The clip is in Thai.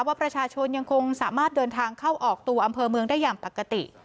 ว่าประชาชนยังคงสามารถเดินทางเข้าออกตัวอำเภอเมืองได้อย่างปกติ